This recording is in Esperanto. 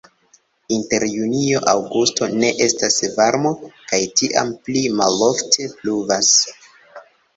Inter junio-aŭgusto ne estas varmo kaj tiam pli malofte pluvas.